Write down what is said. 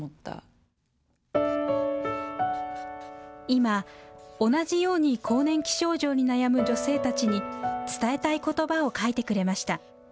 今、同じように更年期症状に悩む女性たちに伝えたいことばを書いてくれました。